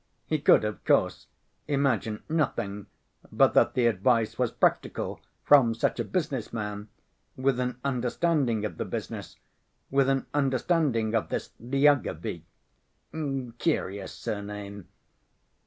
He could, of course, imagine nothing, but that the advice was practical "from such a business man" with an understanding of the business, with an understanding of this Lyagavy (curious surname!).